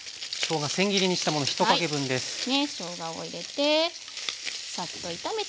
しょうがを入れてサッと炒めて